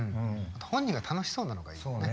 本人が楽しそうなのがいいね。